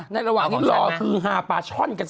ในระหว่างนี้หรอกคือ๕ปลาช่อนกันสิ